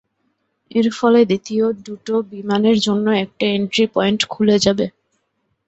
এর ফলে দ্বিতীয় দুটো বিমানের জন্য একটা এন্ট্রি পয়েন্ট খুলে যাবে।